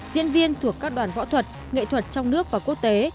diễn viên thuộc các đoàn võ thuật nghệ thuật trong nước và quốc tế